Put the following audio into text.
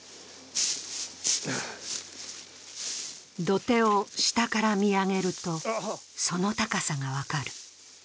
土手を下から見上げると、その高さが分かる。